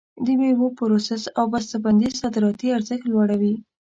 د میوو پروسس او بسته بندي صادراتي ارزښت لوړوي.